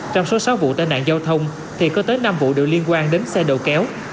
trong số sáu vụ tai nạn giao thông thì có tới năm vụ được liên quan đến xe đầu kéo